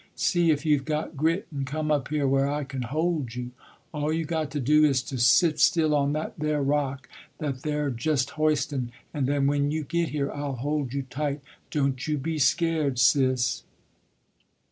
See if you've got grit and come up here where I can hold you. All you got to do is to sit still on that there rock that they're just hoistin', and then when you get here I'll hold you tight, don't you be scared Sis."